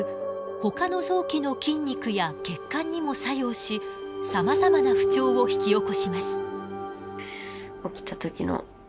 ほかの臓器の筋肉や血管にも作用しさまざまな不調を引き起こします。